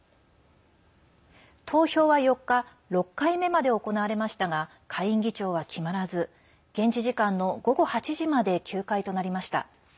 投票は４日６回目まで行われましたが下院議長は決まらず現地時間の午後８時まで休会となりました。